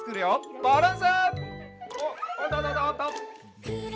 バランス。